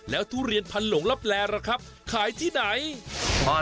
แล้วทุเรียนพันหลงลับแลล่ะครับขายที่ไหน